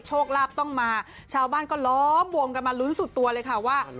โชคลาภต้องมาชาวบ้านก็ล้อมวงกันมาลุ้นสุดตัวเลยค่ะว่า